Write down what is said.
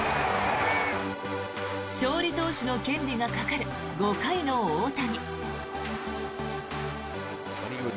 勝利投手の権利がかかる５回の大谷。